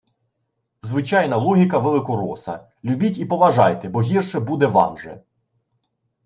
Звичайна логіка великороса: любіть і поважайте, бо гірше буде вам же